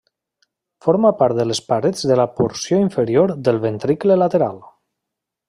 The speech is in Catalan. Forma part de les parets de la porció inferior del ventricle lateral.